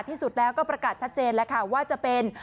ที่สุดแล้วก็ประกาศชัดเจนแล้วค่ะว่าจะเป็น